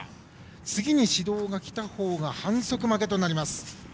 次に指導がきたほうが反則負けとなります。